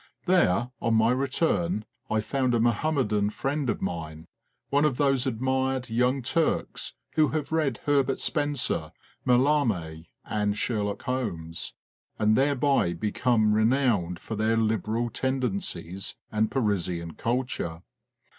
There, on my return, I found a Mahommedan friend of mine one of those admired Young Turks who have read Herbert Spencer, Mallarme, and FORGOTTEN WARFARE 71 Sherlock Holmes, and thereby become renowned for their liberal tendencies and Parisian culture.